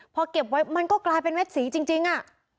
พอเก็บไว้มันก็กลายเป็นเม็ดสีจริงอ่ะ